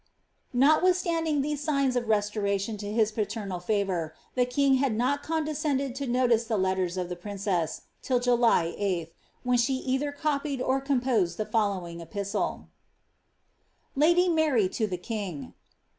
Notwithstanding these signs of restoration to his paternal favour, the king had not condescended to notice the letters of the princess, till July Sthy when she either copied or composed the following epistle :— <*Lu>T Mabt to thx Kiire.